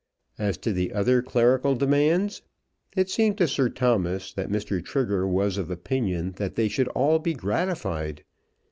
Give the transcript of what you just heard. As to the other clerical demands, it seemed to Sir Thomas that Mr. Trigger was of opinion that they should all be gratified.